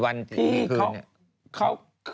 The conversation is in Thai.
๔วันที่มีคืน